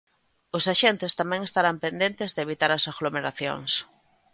Os axentes tamén estarán pendentes de evitar as aglomeracións.